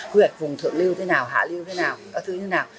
quy hoạch vùng thượng lưu thế nào hạ lưu thế nào các thứ như thế nào